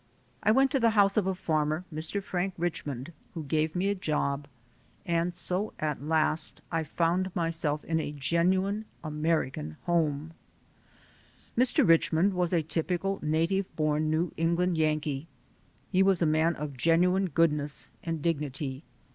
I went to the house of a farmer, Mr. Frank Richmond, who gave me a job, and so at last I found myself in a genuine American home. THE FIRST GLIMPSES OF AMERICA 141 Mr. Richmond was a typical, native born New England "Yankee." He was a man of genuine goodness and dignity.